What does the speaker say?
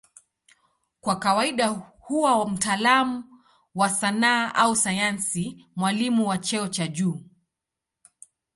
Kwa kawaida huwa mtaalamu wa sanaa au sayansi, mwalimu wa cheo cha juu.